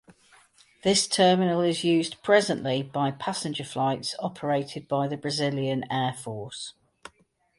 This terminal is used presently by passenger flights operated by the Brazilian Air Force.